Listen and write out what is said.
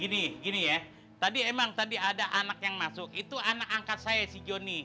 gini gini ya tadi emang tadi ada anak yang masuk itu anak angkat saya si joni